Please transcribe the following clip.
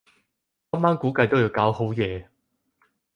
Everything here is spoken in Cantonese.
今晚估計都要搞好夜